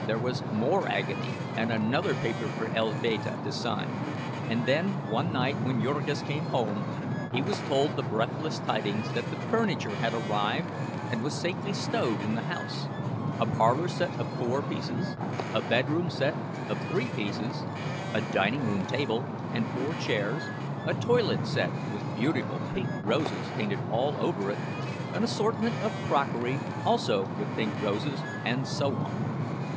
There was more agony and another paper for Elzbieta to sign, and then one night when Jurgis came home, he was told the breathless tidings that the furniture had arrived and was safely stowed in the house: a parlor set of four pieces, a bedroom set of three pieces, a dining room table and four chairs, a toilet set with beautiful pink roses painted all over it, an assortment of crockery, also with pink roses—and so on.